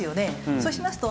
そうしますと